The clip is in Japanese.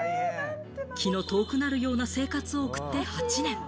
気の遠くなるような生活を送って８年。